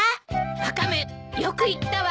ワカメよく言ったわ。